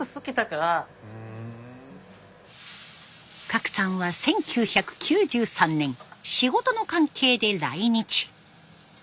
革さんは１９９３年仕事の関係で来日。